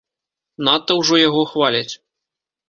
Надта ўжо яго хваляць.